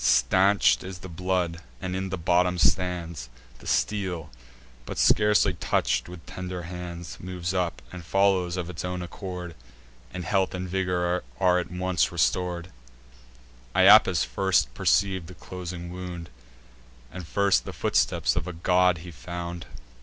Stanch'd is the blood, and in the bottom stands: The steel, but scarcely touch'd with tender hands, Moves up, and follows of its own accord, And health and vigour are at once restor'd. Iapis first perceiv'd the closing wound, And first the footsteps of a god he found.